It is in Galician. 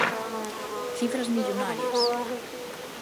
Cifras millonarias